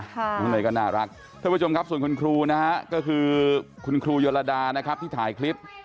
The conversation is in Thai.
ก็เลยก็น่ารักท่านผู้ชมครับส่วนคุณครูนะฮะก็คือคุณครูโยดานะครับที่ถ่ายคลิป